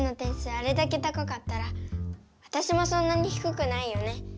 あれだけ高かったらわたしもそんなにひくくないよね。